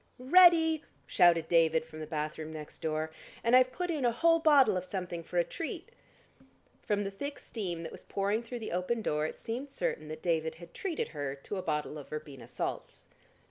"Ready!" shouted David from the bathroom next door. "And I've put in a whole bottle of something for a treat." From the thick steam that was pouring through the open door it seemed certain that David had treated her to a bottle of verbena salts.